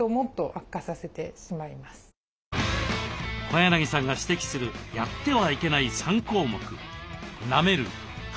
小柳さんが指摘するやってはいけない３項目。